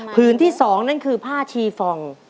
ที่๒นั่นคือผ้าชีฟอง